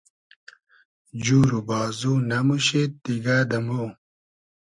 جور و بازو نئموشید دیگۂ دۂ مۉ